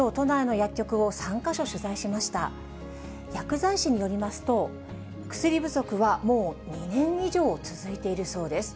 薬剤師によりますと、薬不足はもう２年以上続いているそうです。